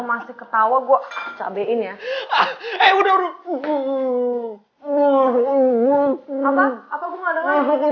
masih ketawa gua cabain ya